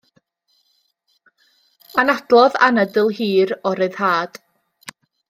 Anadlodd anadl hir o ryddhad.